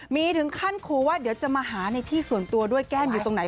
มีถึงขั้นครูว่าเดี๋ยวจะมาหาในที่ส่วนตัวด้วยแก้มอยู่ตรงไหน